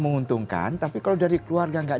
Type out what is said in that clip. menguntungkan tapi kalau dari keluarga nggak